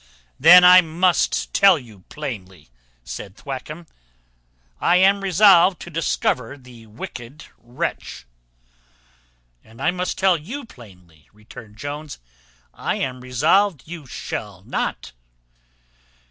"Then I must tell you plainly," said Thwackum, "I am resolved to discover the wicked wretch." "And I must tell you plainly," returned Jones, "I am resolved you shall not."